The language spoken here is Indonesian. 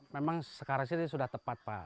memang sekarang ini sudah tepat pak